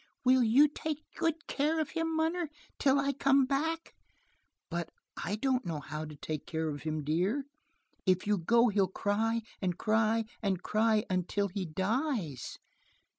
"Will you take good care of him, munner? Till I come back?" "But I don't know how to take care of him, dear. If you go he'll cry and cry and cry until he dies."